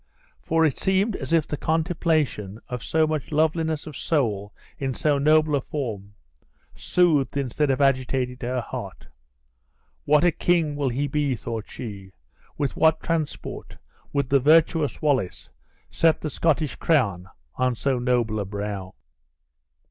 For it seemed as if the contemplation of so much loveliness of soul in so noble a form, soothed instead of agitated her heart. "What a king will he be?" thought she; "with what transport would the virtuous Wallace set the Scottish crown on so noble a brow."